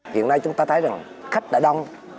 hiện nay chúng ta thấy rằng khách đã đông